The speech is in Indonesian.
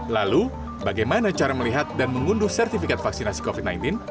lalu bagaimana cara melihat dan mengunduh sertifikat vaksinasi covid sembilan belas